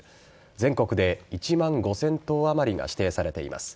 全国で１万５０００棟あまりが指定されています。